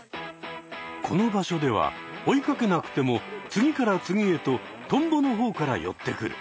この場所では追いかけなくても次から次へとトンボの方から寄ってくる。